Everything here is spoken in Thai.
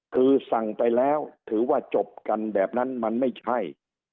คือสั่งไปแล้วถือว่าจบกันแบบนั้นมันไม่ใช่